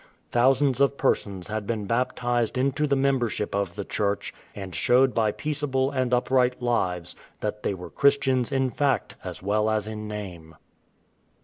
Thousands of persons had been baptized into the membership of the Church, and showed by peaceable and upright lives that they were Christians in fact as well as in name.